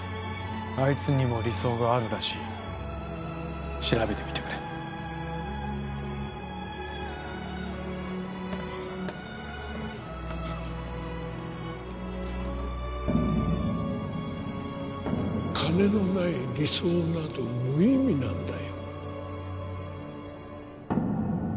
あいつにも理想があるらしい調べてみてくれ金のない理想など無意味なんだよ